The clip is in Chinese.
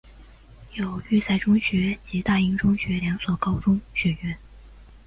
有育才中学及大英中学两所高中学院。